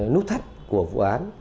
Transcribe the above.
nút thắt của vụ án